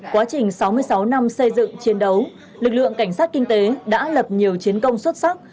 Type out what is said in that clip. quá trình sáu mươi sáu năm xây dựng chiến đấu lực lượng cảnh sát kinh tế đã lập nhiều chiến công xuất sắc